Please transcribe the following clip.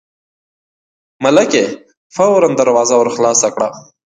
ملکې فوراً دروازه ور خلاصه کړه.